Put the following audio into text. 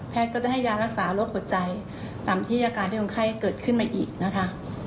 แพทย์ก็ได้ให้ยารักษาลดหัวใจตามที่อาการที่ต้องไข้เกิดขึ้นมาอีกนะคะ